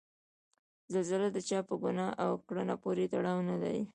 زلزله د چا په ګناه او کړنه پورې تړاو نلري.